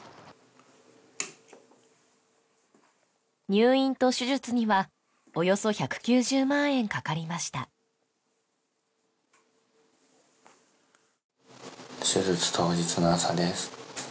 入院と手術にはおよそ１９０万円かかりました手術当日の朝です